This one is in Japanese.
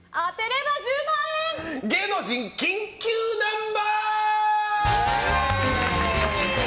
芸能人緊急ナンバーズ！